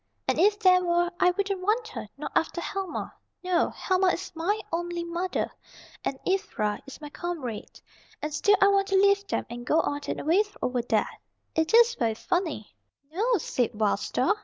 And if there were I wouldn't want her, not after Helma! No, Helma is my only mother, and Ivra is my comrade. And still I want to leave them, and go on and away over there. It is very funny." "No," said Wild Star.